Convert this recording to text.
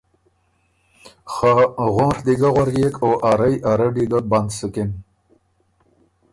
که غونڒ دی ګۀ غؤريېک او ا رئ ا رډّی ګه بند سُکِن